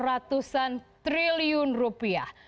empat ratus an triliun rupiah